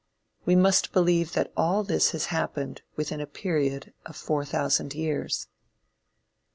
We must believe that all this has happened within a period of four thousand years.